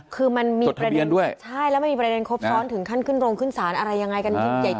คือมันมีประเด็นด้วยใช่แล้วมันมีประเด็นครบซ้อนถึงขั้นขึ้นโรงขึ้นศาลอะไรยังไงกันยิ่งใหญ่